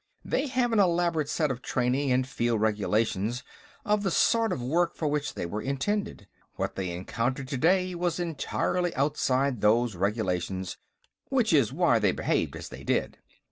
They have an elaborate set of training and field regulations for the sort of work for which they were intended. What they encountered today was entirely outside those regulations, which is why they behaved as they did."